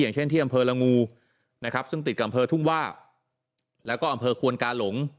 เช่นที่อำเภอละงูนะครับซึ่งติดกับอำเภอทุ่งว่าแล้วก็อำเภอควนกาหลง